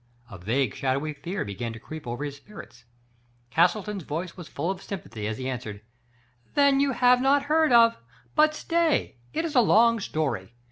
A vag^e, shadowy fear began to creep over his spirits. Castleton's voice was full of sympathy as he answered :" Then you have not heard of — but stay. It is a long story.